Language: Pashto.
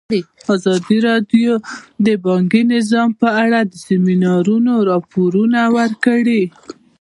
ازادي راډیو د بانکي نظام په اړه د سیمینارونو راپورونه ورکړي.